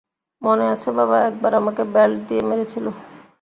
মনে আছে বাবা একবার আমাকে বেল্ট দিয়ে মেরেছিলো?